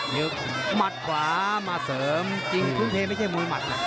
มีมัดขวามาเสริมจริงทุ่มเทไม่ใช่มวยหมัดนะ